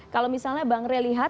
kalau misalnya bang rey lihat